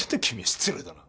失礼だな。